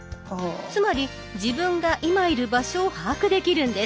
つまり自分が今いる場所を把握できるんです。